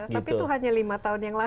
tapi itu hanya lima tahun yang lalu